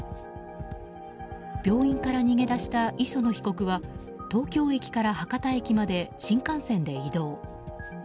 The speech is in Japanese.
病院から逃げ出した磯野被告は東京駅から博多駅まで新幹線で移動。